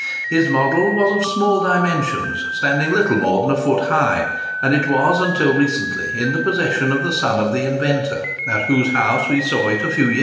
His model was of small dimensions, standing little more than a foot high; and it was until recently in the possession of the son of the inventor, at whose house we saw it a few years ago.